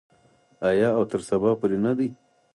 آیا او تر سبا پورې نه دی؟